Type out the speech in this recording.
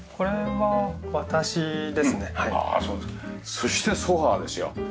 そしてソファですよ。